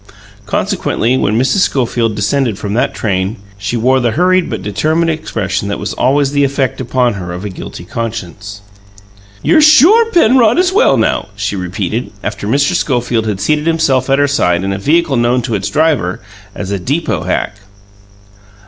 Consequently, when Mrs. Schofield descended from that train, she wore the hurried but determined expression that was always the effect upon her of a guilty conscience. "You're SURE Penrod is well now?" she repeated, after Mr. Schofield had seated himself at her side in a vehicle known to its driver as a "deepoe hack".